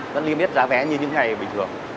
vẫn liên miết giá vé như những ngày bình thường